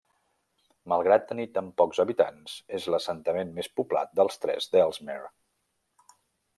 Malgrat tenir tan pocs habitants és l'assentament més poblat dels tres d'Ellesmere.